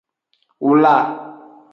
Wla.